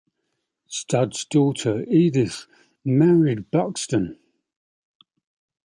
Studd's daughter Edith married Buxton.